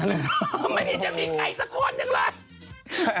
ไม่ได้จะมีใครสักคนอย่างไร